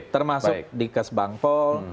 termasuk di kes bangpol